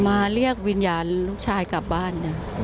เรียกวิญญาณลูกชายกลับบ้าน